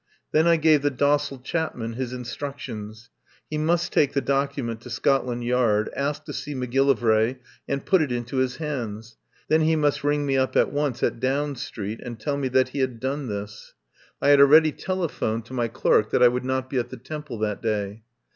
Then I gave the docile Chapman his in structions. He must take the document to Scotland Yard, ask to see Macgillivray, and put it into his hands. Then he must ring me up at once at Down Street and tell me that he had done this. I had already telephoned to 165 THE POWER HOUSE my clerk that I would not be at the Temple that day.